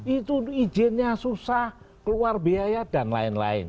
itu izinnya susah keluar biaya dan lain lain